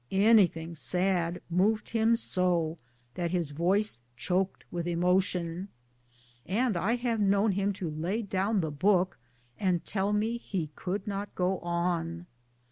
Anything sad moved him so that his voice choked with emotion, and I have known him lay down the book and tell me he could not go on.